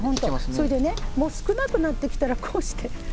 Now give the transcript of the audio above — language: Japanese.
それで少なくなってきたらこうして。